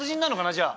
じゃあ。